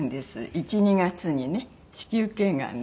１２月にね子宮頸がんで。